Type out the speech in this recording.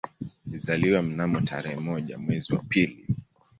Alizaliwa mnamo tarehe moja mwezi wa pili